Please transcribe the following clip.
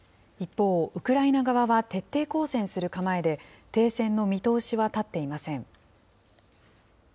一方ウクライナ側は、徹底抗戦する構えで、停戦の見通しは立っていません。